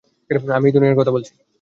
আমি এই দুনিয়ার কথা বলছি।